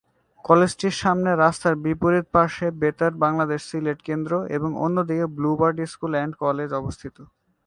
কলেজটির সামনে, রাস্তার বিপরীত পার্শ্বে বেতার বাংলাদেশের সিলেট কেন্দ্র এবং অন্যদিকে ব্লু-বার্ড স্কুল অ্যান্ড কলেজ অবস্থিত।